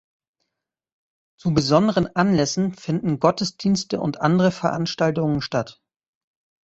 Zu besonderen Anlässen finden Gottesdienste und andere Veranstaltungen statt.